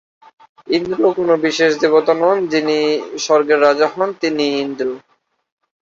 ইন্দ্র কোনো বিশেষ দেবতা নন, যিনি স্বর্গের রাজা হন তিনিই ইন্দ্র।